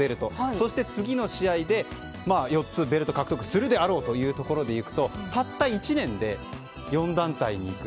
そして次の試合で４つベルト獲得するであろうというところでいくとたった１年で４団体に行く。